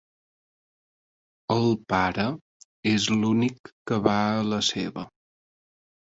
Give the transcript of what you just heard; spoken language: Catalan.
El pare és l'únic que va a la seva.